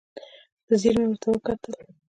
په ځیر مې ورته وکتل.